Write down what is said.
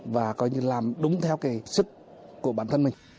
và coi như làm đúng theo cái sức của bản thân mình